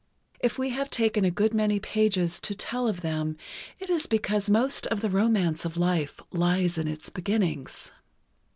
If we have taken a good many pages to tell of them, it is because most of the romance of life lies in its beginnings.